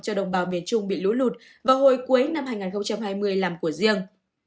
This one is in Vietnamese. cho đồng bào miền trung bị lũ lụt vào hồi cuối năm hai nghìn hai mươi làm của riêng